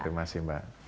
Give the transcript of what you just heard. terima kasih mbak